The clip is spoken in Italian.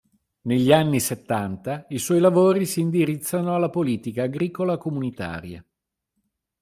Negli anni settanta i suoi lavori si indirizzano alla politica agricola comunitaria.